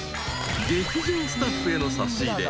［劇場スタッフへの差し入れ］